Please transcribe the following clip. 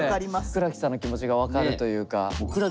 倉木さんの気持ちが分かるというか。